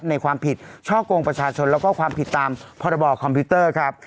ในความผิดช่อกงประชาชนแล้วก็ความผิดตามพรบคอมพิวเตอร์ครับ